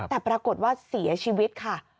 แต่ปรากฏว่าเสียชีวิตค่ะ